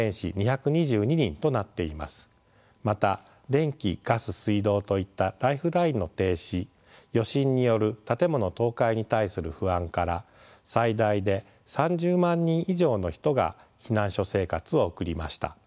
また電気ガス水道といったライフラインの停止余震による建物倒壊に対する不安から最大で３０万人以上の人が避難所生活を送りました。